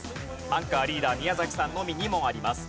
アンカーリーダー宮崎さんのみ２問あります。